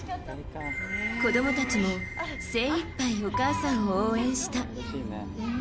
子供たちも精いっぱいお母さんを応援した。